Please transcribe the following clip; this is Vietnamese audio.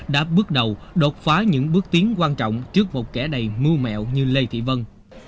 đã bước đầu đột phá những bước tiến quan trọng trước một kẻ đầy mưu mẹo như lê thị vân